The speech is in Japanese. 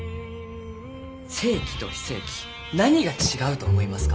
正規と非正規何が違うと思いますか？